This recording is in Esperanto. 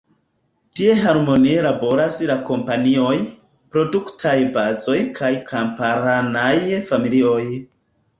Tie harmonie laboras la kompanioj, produktaj bazoj kaj kamparanaj familioj.